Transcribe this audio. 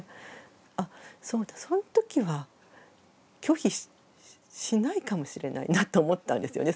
あっそうだそのときは拒否しないかもしれないなと思ったんですよね